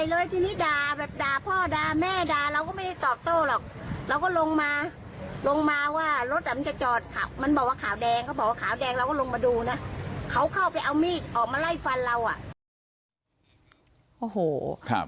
เขาเข้าไปเอามีดออกมาไล่ฟันเราอะ